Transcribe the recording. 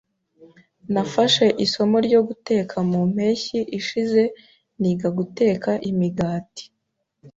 Nafashe isomo ryo guteka mu mpeshyi ishize niga guteka imigati.